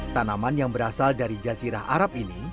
tanaman yang berasal dari jazirah arab ini